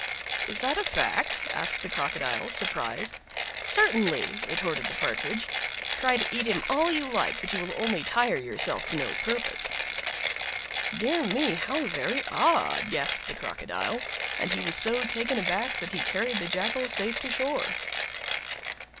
"Is that a fact?" asked the Crocodile, surprised. "Certainly!" retorted the Partridge. Try to eat him if you like, but you will only tire yourself to no purpose. "Dear me! how very odd!" gasped time Crocodile; and he was so taken aback that he carried the Jackal safe to shore.